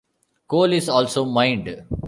Coal is also mined.